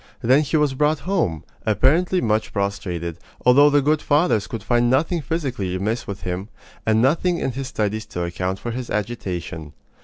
Then he was brought home, apparently much prostrated, although the good fathers could find nothing physically amiss with him, and nothing in his studies to account for his agitation.